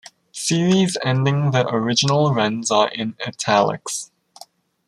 Series ending their original runs are in "italics".